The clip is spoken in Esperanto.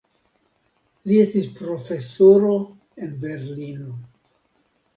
Li estis profesoro en Berlino.